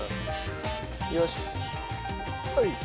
よしはい！